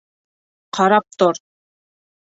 Ҡарап тор!